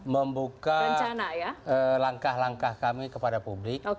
membuka langkah langkah kami kepada publik